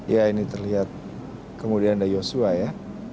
ya ini terlihat kemudian ada yosua ya